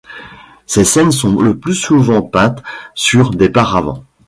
Ces scènes sont le plus souvent peintes sur des paravents.